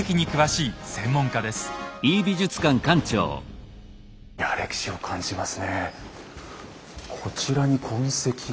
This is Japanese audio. いや歴史を感じますね。